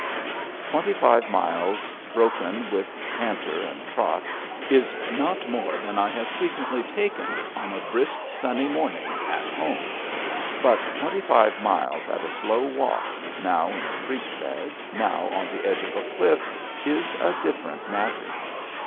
Twenty five miles, broken with canter and trot, is not more than I have frequently taken on a brisk sunny morning at home. But twenty five miles at a slow walk, now in a creek bed, now on the edge of a cliff, is a different matter.